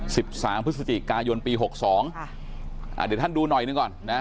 สิบสามพฤศจิกายนปีหกสองค่ะอ่าเดี๋ยวท่านดูหน่อยหนึ่งก่อนนะ